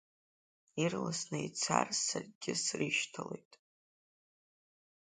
Ирласны ицар саргьы срышьҭалоит.